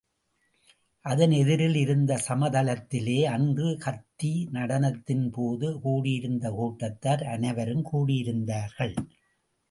அதன் எதிரில் இருந்த சமதளத்திலே, அன்று கத்தி நடனத்தின்போது கூடியிருந்த கூட்டத்தார் அனைவரும் கூடியிருந்தார்கள்.